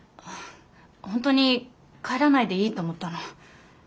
本当に帰らないでいいと思ったの。